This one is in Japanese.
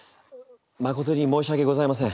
誠に申し訳ございません。